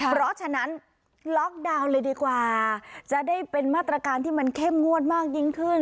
เพราะฉะนั้นล็อกดาวน์เลยดีกว่าจะได้เป็นมาตรการที่มันเข้มงวดมากยิ่งขึ้น